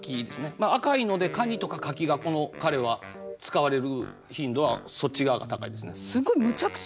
まあ赤いので蟹とか柿がこの彼は使われる頻度はそっち側が高いですね。